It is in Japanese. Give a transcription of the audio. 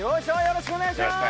よろしくお願いします。